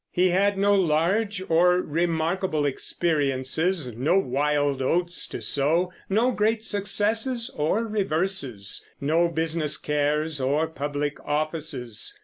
He had no large or remarkable experiences, no wild oats to sow, no great successes or reverses, no business cares or public offices.